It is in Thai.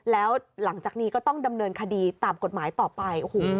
แล้วหลังจากนี้ก็ต้องดำเนินคดีตามกฎหมายต่อไป